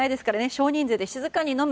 少人数で静かに飲む。